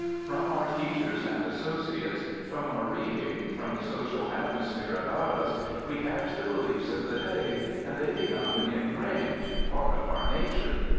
From our teachers and associates, from our reading, from the social atmosphere about us, we catch the beliefs of the day, and they become ingrained —part of our nature.